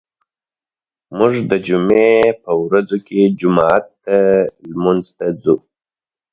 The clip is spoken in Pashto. موږ د جمعې په ورځو کې جومات ته لمونځ ته ځو.